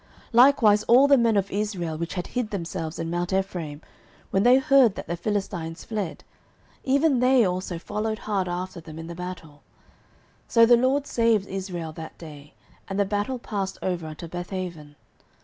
09:014:022 Likewise all the men of Israel which had hid themselves in mount Ephraim, when they heard that the Philistines fled, even they also followed hard after them in the battle. 09:014:023 So the LORD saved Israel that day: and the battle passed over unto Bethaven.